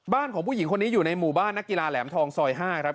ของผู้หญิงคนนี้อยู่ในหมู่บ้านนักกีฬาแหลมทองซอย๕ครับ